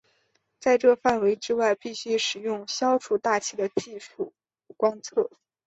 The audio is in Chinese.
在这范围之外必须使用消除大气的技术观测。